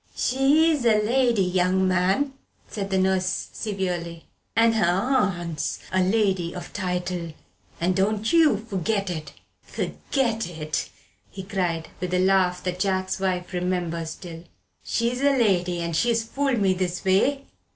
"She's a lady, young man," said the nurse severely; "and her aunt's a lady of title, and don't you forget it!" "Forget it," he cried, with a laugh that Jack's wife remembers still; "she's a lady, and she's fooled me this way?